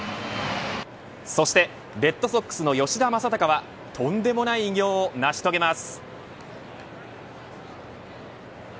そしてレッドソックスの吉田正尚はとんでもない偉業を成し遂げます。